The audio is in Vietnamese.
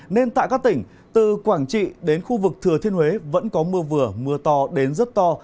nên tại các tỉnh từ quảng trị đến khu vực thừa thiên huế vẫn có mưa vừa mưa to đến rất to